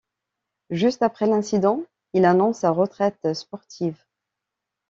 Juste après l'incident, il annonce sa retraite sportive.